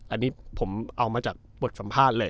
อันนี้ผมเอามาจากบทสัมภาษณ์เลย